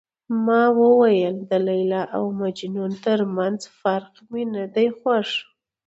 ما وویل د لیلا او مجنون ترمنځ فراق مې نه دی خوښ.